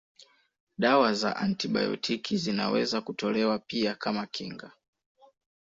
Dawa za antibiotiki zinaweza kutolewa pia kama kinga